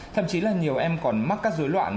thậm chí là nhiều em còn mắc các dối loạn